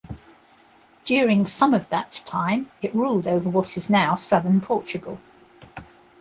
During some of that time it ruled over what is now Southern Portugal.